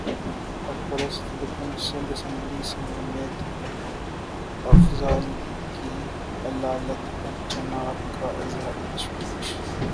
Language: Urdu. حق پرست رکن سندھ اسمبلی سمیتا افضال کی علالت پر جناب کا اظہار تشویش